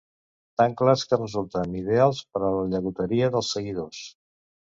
Tan clars que resulten ideals per a la llagoteria dels seguidors.